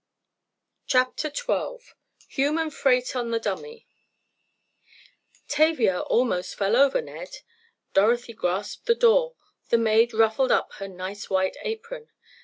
CHAPTER XII HUMAN FREIGHT ON THE DUMMY Tavia almost fell over Ned. Dorothy grasped the door. The maid ruffled up her nice white apron!